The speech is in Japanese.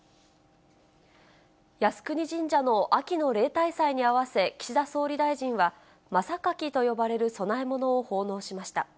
靖国神社の秋の例大祭に合わせ、岸田総理大臣は、真榊と呼ばれる供え物を奉納しました。